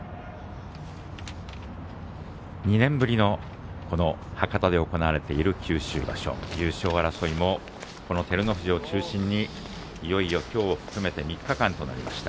２年ぶりのこの博多で行われている九州場所優勝争いも、この照ノ富士を中心にいよいよきょうを含めて３日間となりました。